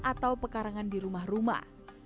atau pekarangan di rumah rumah